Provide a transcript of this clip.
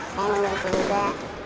saya menemukan juga